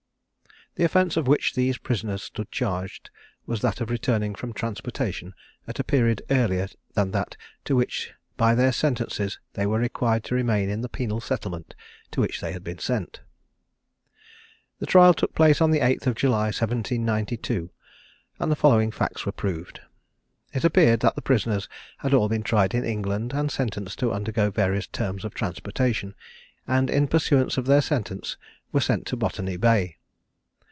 The offence with which these prisoners stood charged was that of returning from transportation at a period earlier than that to which by their sentences they were required to remain in the penal settlement to which they had been sent. Their trial took place on the 8th of July 1792, and the following facts were proved. It appeared that the prisoners had all been tried in England, and sentenced to undergo various terms of transportation, and in pursuance of their sentence were sent to Botany Bay.